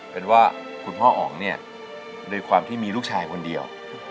เป็นว่าคุณพ่ออ๋อ็งเนี่ย